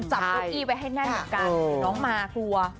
จับเก้าอี้ไปโน้นมากลัว